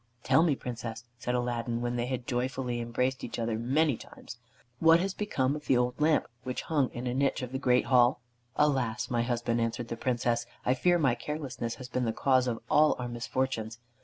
"Tell me, Princess," said Aladdin, when they had joyfully embraced each other many times, "what has become of the old lamp which hung in a niche of the great hall?" "Alas! my husband," answered the Princess, "I fear my carelessness has been the cause of all our misfortunes."